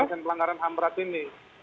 dengan pelanggaran ham berat ini